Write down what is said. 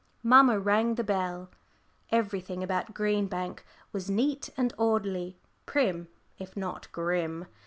Mamma rang the bell. Everything about Green Bank was neat and orderly, prim, if not grim.